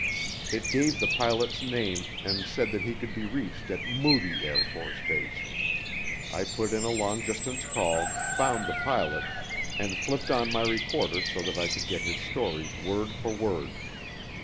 It gave the pilot's name and said that he could be reached at Moody AFB. I put in a long distance call, found the pilot, and flipped on my recorder so that I could get his story word for word.